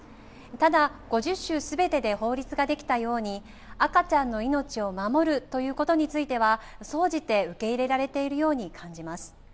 ただ、５０州すべてで法律が出来たように、赤ちゃんの命を守るということについては、総じて受け入れられているように感じます。